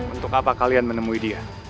untuk apa kalian menemui dia